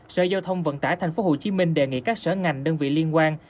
sở giao thông vận tải tp hcm đề nghị các sở ngành đơn vị liên quan